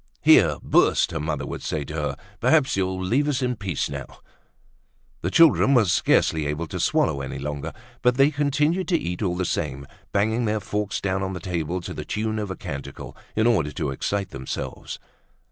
"Here! Burst!" her mother would say to her. "Perhaps you'll leave us in peace now!" The children were scarcely able to swallow any longer, but they continued to eat all the same, banging their forks down on the table to the tune of a canticle, in order to excite themselves.